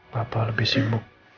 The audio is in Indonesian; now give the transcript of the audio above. papa lebih sibuk